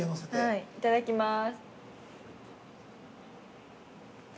◆いただきます。